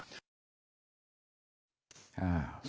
ผ่านไม่จากช่วงขนม